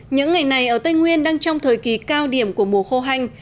những ngày này ở tây nguyên đang trong thời kỳ cao điểm của mùa khô hanh